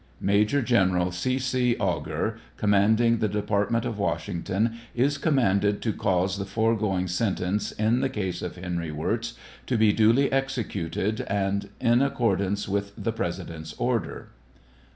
Major General 0. 0. Augur, commanding the department of Washington, is commanded to cause the foregoing sentence, in the case of Henry Wirz, to be duly executed, in accordance with the President's order.